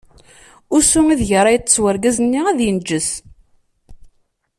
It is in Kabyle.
Usu ideg ara yeṭṭeṣ urgaz-nni ad inǧes.